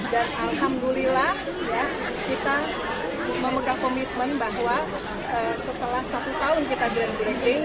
dan alhamdulillah ya kita memegang komitmen bahwa setelah satu tahun kita grand grading